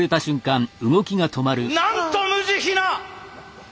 なんと無慈悲な。